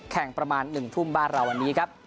ประมาณ๑ทุ่มบ้านเราวันนี้ครับ